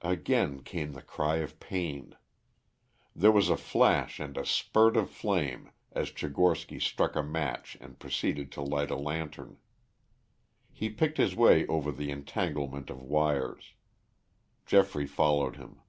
Again came the cry of pain. There was a flash and a spurt of flame as Tchigorsky struck a match and proceeded to light a lantern. He picked his way over the entanglement of wires; Geoffrey followed him.